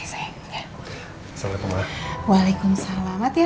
bapak ada tamu yang menunggu bapak